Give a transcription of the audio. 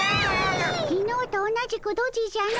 きのうと同じくドジじゃの。